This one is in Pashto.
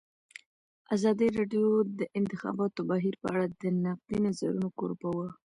ازادي راډیو د د انتخاباتو بهیر په اړه د نقدي نظرونو کوربه وه.